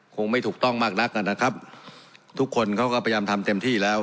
คงไม่ถูกต้องมากนักนะครับทุกคนเขาก็พยายามทำเต็มที่แล้ว